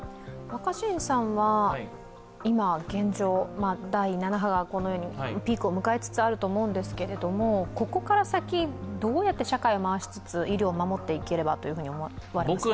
若新さんは、第７波がこのようにピークを迎えつつと思いますがここから先、どうやって社会を回しつつ、医療を守っていければと思われますか？